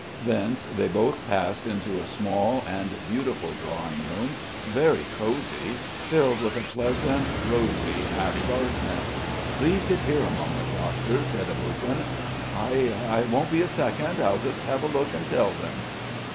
Thence they both passed into a small and beautiful drawing room, very cosy, filled with a pleasant, rosy half darkness. "Please sit here a moment, Doctor," said Aboguin, "I ... I won't be a second. I'll just have a look and tell them."